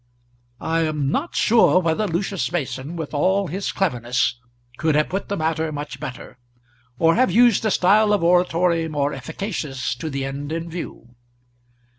I am not sure whether Lucius Mason, with all his cleverness, could have put the matter much better, or have used a style of oratory more efficacious to the end in view.